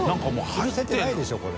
つるせてないでしょこれ。